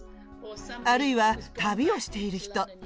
あるいは旅をしている人。